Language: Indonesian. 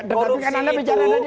tetapi kan anda bicara tadi